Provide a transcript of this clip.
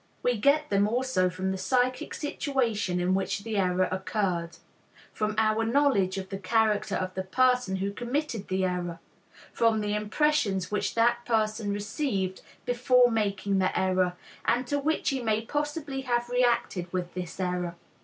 We get them also from the psychic situation in which the error occurred, from our knowledge of the character of the person who committed the error, from the impressions which that person received before making the error, and to which he may possibly have reacted with this error.